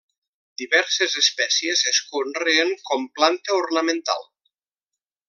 Diverses espècies es conreen com planta ornamental.